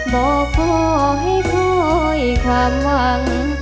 บอกพ่อให้คอยความหวัง